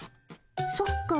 そっか。